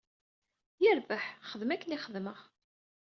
Yirbeḥ, xdem akken i xedmeɣ.